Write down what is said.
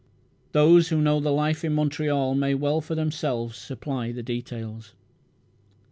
Those who know the life in Montreal may well for themselves supply the details. IX.